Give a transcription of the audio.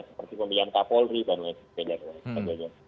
seperti pemilihan kapolri dan lain sebagainya